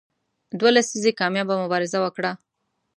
دوه لسیزې کامیابه مبارزه وکړه.